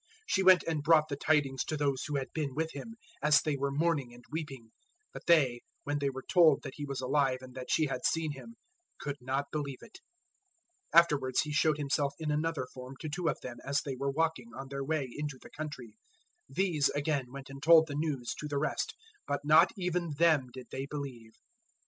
016:010 She went and brought the tidings to those who had been with Him, as they were mourning and weeping. 016:011 But they, when they were told that He was alive and that she had seen Him, could not believe it. 016:012 Afterwards He showed Himself in another form to two of them as they were walking, on their way into the country. 016:013 These, again, went and told the news to the rest; but not even them did they believe.